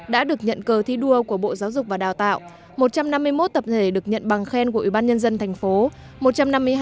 đã được nhận cờ thi đua của bộ giáo dục và đào tạo một trăm năm mươi một tập thể được nhận bằng khen của ủy ban nhân dân thành phố